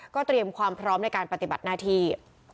เตรียมความพร้อมในการปฏิบัติหน้าที่